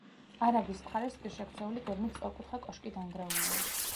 არაგვის მხარეს პირშექცეული, გეგმით სწორკუთხა კოშკი დანგრეულია.